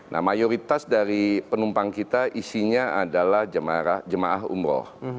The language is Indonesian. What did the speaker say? nah mayoritas dari penumpang kita isinya adalah jemaah umroh